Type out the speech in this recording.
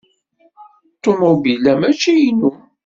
Ṭumubil-a mačči inu.